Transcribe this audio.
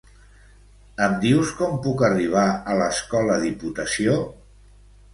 Em dius com puc arribar a l'Escola Diputació?